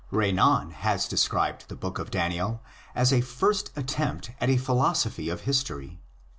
Renan has described the Book of Daniel as a first attempt at a philosophy of history.